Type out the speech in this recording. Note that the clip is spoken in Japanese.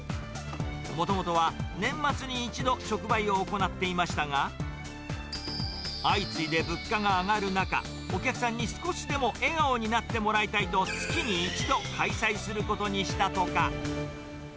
もともとは年末に一度、直売を行っていましたが、相次いで物価が上がる中、お客さんに少しでも笑顔になってもらいたいと、月に１度、開催することにしたとか。